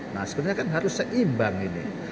nah sebenarnya kan harus seimbang ini